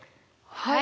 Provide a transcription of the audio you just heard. はい。